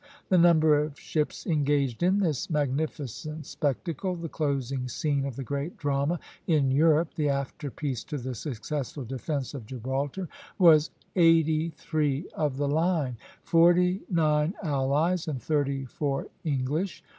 The number of ships engaged in this magnificent spectacle, the closing scene of the great drama in Europe, the after piece to the successful defence of Gibraltar, was eighty three of the line, forty nine allies and thirty four English.